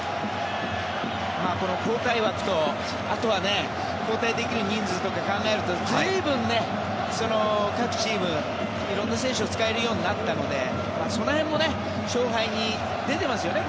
この交代枠とあと交代できる人数とかを考えると随分、各チーム、色んな選手を使えるようになったのでその辺も勝敗に出てますよね。